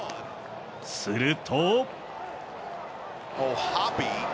すると。